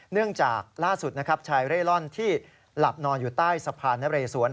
เนื่องจากล่าสุดนะครับชายเร่ร่อนที่หลับนอนอยู่ใต้สะพานนเรสวน